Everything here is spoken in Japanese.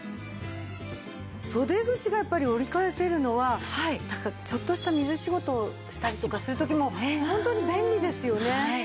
袖口がやっぱり折り返せるのはちょっとした水仕事をしたりとかする時もホントに便利ですよね。